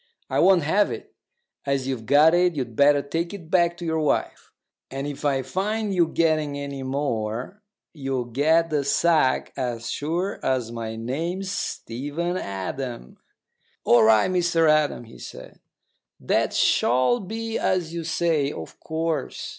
I won't have it. As you've got it, you'd better take it back to your wife; and if I find you getting any more, you'll get the sack as sure as my name's Stephen Adam." "All right, Mr Adam," he said. "That shall be as you say, of course.